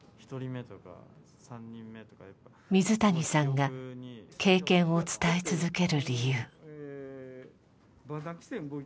水谷さんが経験を伝え続ける理由。